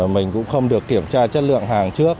mình cũng không được kiểm tra chất lượng hàng trước